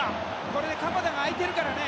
これで鎌田が空いているからね。